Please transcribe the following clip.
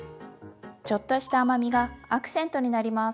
ちょっとした甘みがアクセントになります。